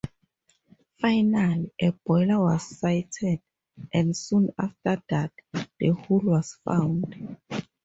Finally, a boiler was sighted, and soon after that, the hull was found.